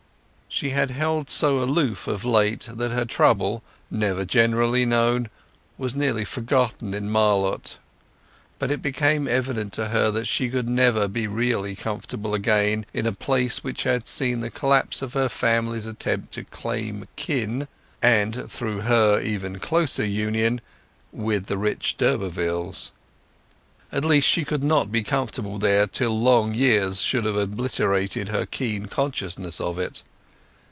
She had held so aloof of late that her trouble, never generally known, was nearly forgotten in Marlott. But it became evident to her that she could never be really comfortable again in a place which had seen the collapse of her family's attempt to "claim kin"—and, through her, even closer union—with the rich d'Urbervilles. At least she could not be comfortable there till long years should have obliterated her keen consciousness of it.